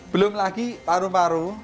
belum lagi paru paru